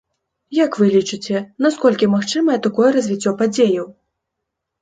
Як вы лічыце, наколькі магчымае такое развіццё падзеяў?